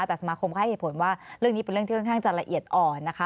แต่สมาคมก็ให้เหตุผลว่าเรื่องนี้เป็นเรื่องที่ค่อนข้างจะละเอียดอ่อนนะคะ